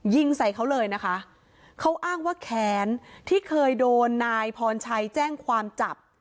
ยิงใส่เขาเลยนะคะเขาอ้างว่าแค้นที่เคยโดนนายพรชัยแจ้งความจับ